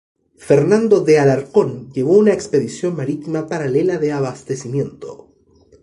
Fernando de Alarcón llevó una expedición marítima paralela de abastecimiento.